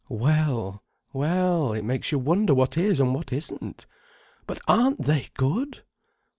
Well, well—it makes you wonder what is and what isn't. But aren't they good?